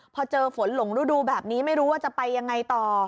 พอเจอฝนหลงฤดูแบบนี้ไม่รู้ว่าจะไปยังไงต่อ